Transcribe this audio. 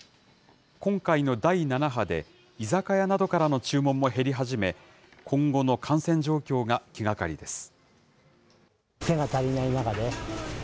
今回の第７波で、居酒屋などからの注文も減り始め、今後の感染状況が気がかりです。